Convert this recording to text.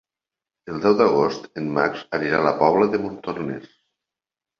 El deu d'agost en Max anirà a la Pobla de Montornès.